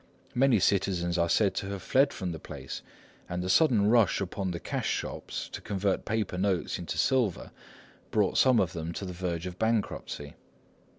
Many citizens are said to have fled from the place; and the sudden rush upon the cash shops, to convert paper notes into silver, brought some of them to the verge of bankruptcy.